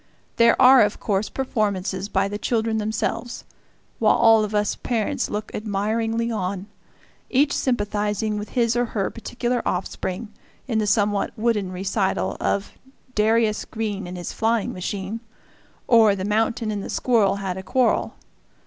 There are of course performances by the children themselves, while all of us parents look admiringly on, each sympathizing with his or her particular offspring in the somewhat wooden recital of "Darius Green and his Flying Machine" or "The Mountain and the Squirrel had a Quarrel."